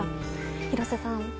廣瀬さん。